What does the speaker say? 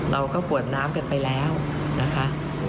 เราก็กวดน้ำกันไปแล้วนะคะ